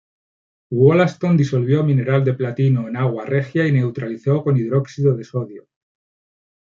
Wollaston disolvió mineral de platino en agua regia y neutralizó con hidróxido de sodio.